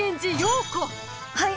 はい！